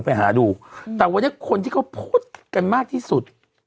ไปหาดูแต่วันนี้คนที่เขาโพสต์กันมากที่สุด